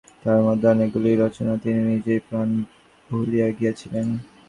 তাহার মধ্যে অনেকগুলি রচনা তিনি নিজেই প্রায় ভুলিয়া গিয়াছিলেন।